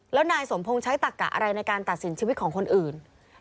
แล้วนายสมพงษ์ใช้ตักกะอะไรในการตัดสินชีวิตของคนอื่น